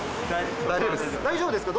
大丈夫ですか？